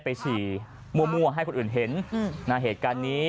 เยี่ยวให้มันหลบที่